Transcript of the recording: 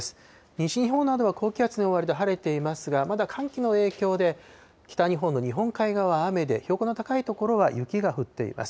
西日本は高気圧に覆われて晴れていますが、まだ寒気の影響で北日本の日本海側は雨で、標高の高い所は雪が降っています。